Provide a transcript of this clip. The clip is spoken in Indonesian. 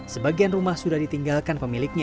sebagian rumah sudah ditinggalkan pemiliknya